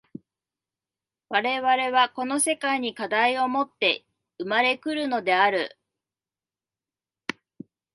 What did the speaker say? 我々はこの世界に課題をもって生まれ来るのである。